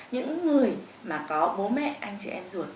những người mà có bố mẹ anh chị em ruột